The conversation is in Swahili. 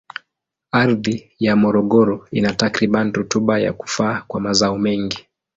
Ardhi ya Morogoro ina takribani rutuba ya kufaa kwa mazao mengi.